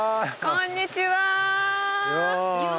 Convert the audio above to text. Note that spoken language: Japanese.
こんにちは。